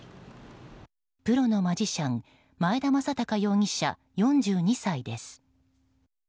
プロのマジシャン前田真孝容疑者、４２歳です。